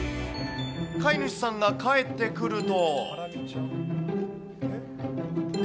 飼い主さんが帰ってくると。